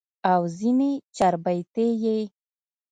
او ځني چاربيتې ئې